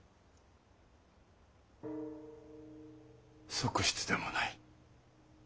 側室でもない。